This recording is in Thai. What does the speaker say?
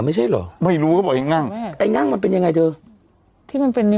ไม่ใช่เหรอไม่รู้เขาบอกไอ้งั่งไอ้งั่งมันเป็นยังไงเธอที่มันเป็นนี้